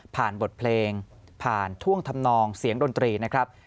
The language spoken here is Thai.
บทเพลงผ่านท่วงทำนองเสียงดนตรีนะครับ